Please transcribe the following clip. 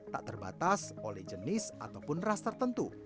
tak terbatas oleh jenis ataupun ras tertentu